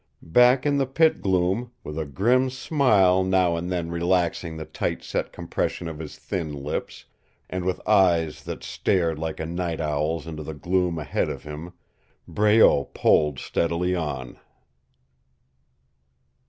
Back in the pit gloom, with a grim smile now and then relaxing the tight set compression of his thin lips, and with eyes that stared like a night owl's into the gloom ahead of him, Breault poled steadily on.